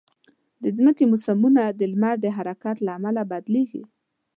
د مځکې موسمونه د لمر د حرکت له امله بدلېږي.